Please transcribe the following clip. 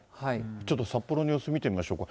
ちょっと札幌の様子見てみましょうか。